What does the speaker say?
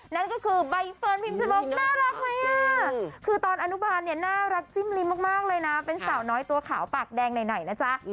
นั่นก็คือใบเฟิร์นพิมชนกน่ารักไหมคือตอนอนุบาลเนี่ยน่ารักจิ้มลิ้มมากเลยนะเป็นสาวน้อยตัวขาวปากแดงหน่อยนะจ๊ะ